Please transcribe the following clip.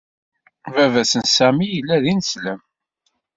Baba s n Sami yella d ineslem.